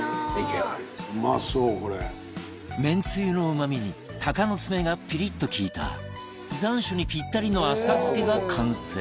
めんつゆのうまみに鷹の爪がピリッと利いた残暑にぴったりの浅漬けが完成